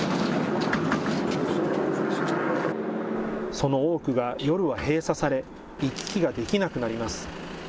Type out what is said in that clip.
その多くが夜は閉鎖され、行き来ができなくなります。